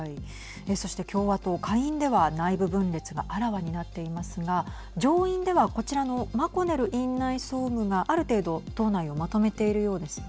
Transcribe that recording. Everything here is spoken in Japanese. そして共和党下院では内部分裂があらわになっていますが上院ではこちらのマコネル院内総務がある程度党内をまとめているようですね。